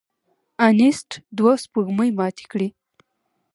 انیسټ دوه سپوږمۍ ماتې کړې.